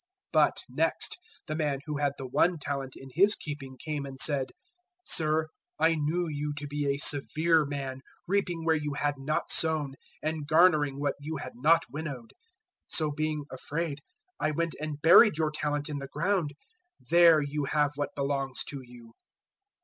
025:024 "But, next, the man who had the one talent in his keeping came and said, "`Sir, I knew you to be a severe man, reaping where you had not sown and garnering what you had not winnowed. 025:025 So being afraid I went and buried your talent in the ground: there you have what belongs to you.'